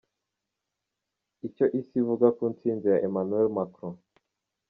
Icyo Isi ivuga ku nsinzi ya Emmanuel Macron.